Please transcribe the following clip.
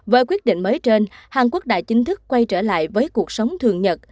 với quyết định mới trên hàn quốc đã chính thức quay trở lại với cuộc sống thường nhật